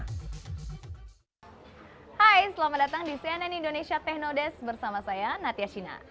hai selamat datang di cnn indonesia technodes bersama saya natya shina